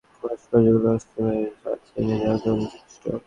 তবে ছাঁচে ঢালাই করা ধাতুর ভাস্কর্যগুলো অসীমের জাত চিনিয়ে দেওয়ার জন্য যথেষ্ট।